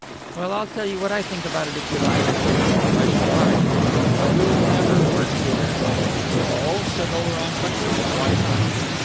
Well, I'll tell you what I think about it, if you like." "I should like." "You'll never work here." "Oh?" said Oleron quickly. "Why not?"